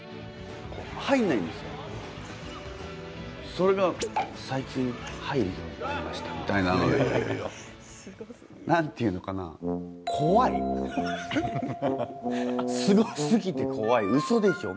それが最近入るようになりましたみたいなので、何と言うのかなうそでしょう？